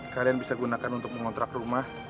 kalian bisa gunakan untuk mengontrak rumah